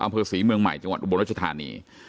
อำเภอศรีเมืองใหม่จังหวัดอุบลรัชธานี